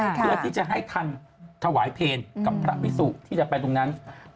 เพื่อที่จะให้ทันถวายเพลกับพระพิสุที่จะไปตรงนั้น